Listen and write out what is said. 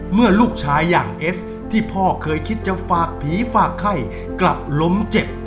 เมื่อลูกชายอย่างเอสที่พ่อเคยคิดจะฝากผีฝากไข้กลับล้มเจ็บ